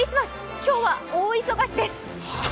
今日は「大忙し」です。